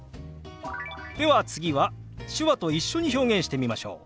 では次は手話と一緒に表現してみましょう。